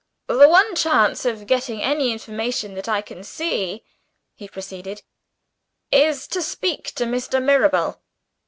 "The one chance of getting any information that I can see," he proceeded, "is to speak to Mr. Mirabel."